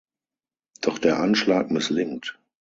Doch der Anschlag misslingt.